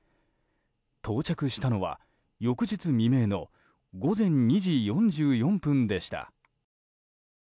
到着したのは、翌日未明の午前２時４４分でした。